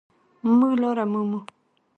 مونږ لاره مومو